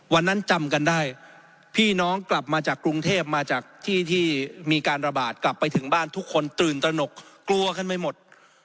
จำกันได้พี่น้องกลับมาจากกรุงเทพมาจากที่ที่มีการระบาดกลับไปถึงบ้านทุกคนตื่นตระหนกกลัวกันไม่หมด